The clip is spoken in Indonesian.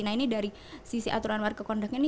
nah ini dari sisi aturan warga conduct ini